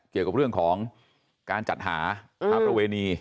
เกี่ยวกับเรื่องของการจัดหาค้าประเวณี